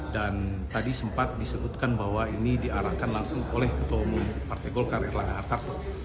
dan tadi sempat disebutkan bahwa ini diarahkan langsung oleh ketua umum partai golkar erlang artak